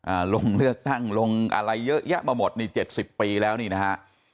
อ่าลงเลือกตั้งลงอะไรเยอะเยอะมาหมดนี่๗๐ปีแล้วดีนะฮะ